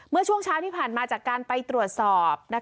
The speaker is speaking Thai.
เมื่อช่วงเช้าที่ผ่านมาจากการไปตรวจสอบ